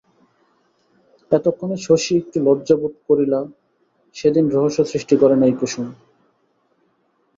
এতক্ষণে শশী একটু লজ্জা বোধ করিলা সেদিন রহস্য সৃষ্টি করে নাই কুসুম।